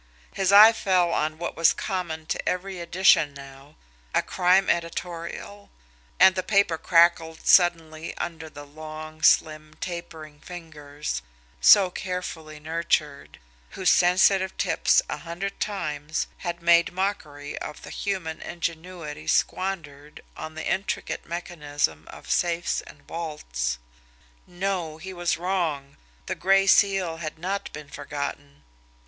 His eye fell on what was common to every edition now, a crime editorial and the paper crackled suddenly under the long, slim, tapering fingers, so carefully nurtured, whose sensitive tips a hundred times had made mockery of the human ingenuity squandered on the intricate mechanism of safes and vaults. No; he was wrong the Gray Seal had not been forgotten.